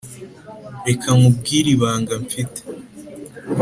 reka nkubwire ibanga mfite